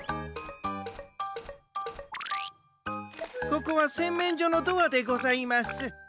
ここはせんめんじょのドアでございます。